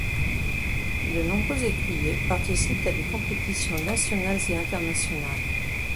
De nombreux écuyers participent à des compétitions nationales et internationales.